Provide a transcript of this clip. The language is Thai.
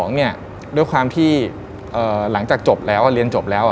๑กับ๒ด้วยความที่หลังจากเรียนจบแล้ว